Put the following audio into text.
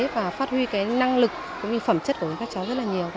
và phát huy năng lực và phẩm chất của các cháu rất là nhiều